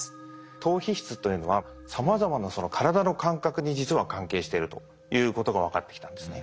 島皮質というのはさまざまな体の感覚に実は関係しているということが分かってきたんですね。